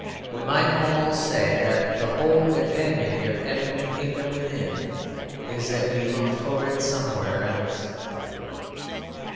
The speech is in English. We might almost say that the whole advantage of having the kingdom within is that we look for it somewhere else.